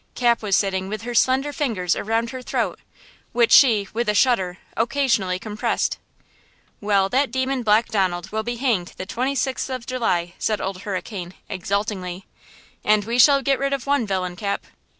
Cap was sitting with her slender fingers around her throat, which she, with a shudder, occasionally compressed: "Well, that demon Black Donald will be hanged the 26th of July," said Old Hurricane, exultingly, "end we shall get rid of one villain, Cap."